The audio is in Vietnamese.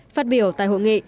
phát biểu tại hội nghị